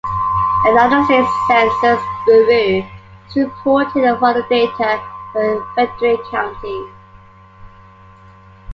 The United States Census Bureau has reported the following data for Frederick County.